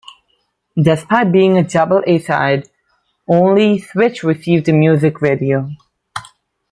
Despite being a double a-side, only "Switch" received a music video.